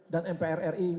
dan mpr ri